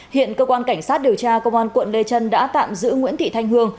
hiện cơ quan cảnh sát điều tra công an quận lê trân đã tạm giữ nguyễn thị thanh hương